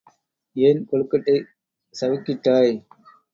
ஏன் கொழுக்கட்டை சவுக்கிட்டாய்?